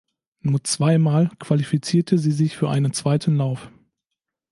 Nur zweimal qualifizierte sie sich für einen zweiten Lauf.